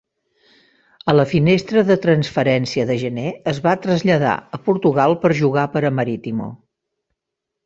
A la finestra de transferència de gener es va traslladar a Portugal per jugar per a Maritimo.